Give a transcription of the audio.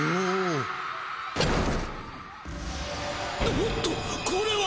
おおっとこれは！？